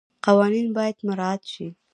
قوانین باید مراعات شي.